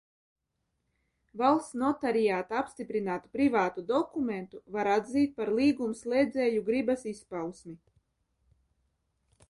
Valsts notariāta apstiprinātu privātu dokumentu var atzīt par līgumslēdzēju gribas izpausmi.